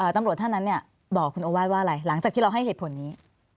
ตำรวจท่านนั้นบอกคุณโอวาสว่าอะไรหลังจากที่เราให้เหตุผลนี้